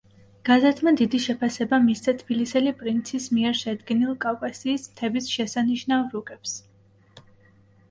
გაზეთმა დიდი შეფასება მისცა „თბილისელი პრინცის“ მიერ შედგენილ „კავკასიის მთების შესანიშნავ რუკებს“.